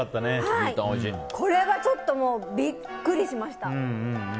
これがちょっとビックリしました。